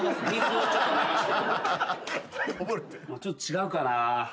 ちょっと違うかな。